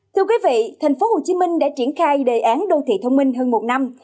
thưa quý vị tp hcm đã triển khai đề án đô thị thông minh hơn một năm